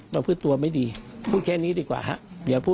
เราพื้นตัวไม่ดีพูดแค่นี้ดีกว่าฮะ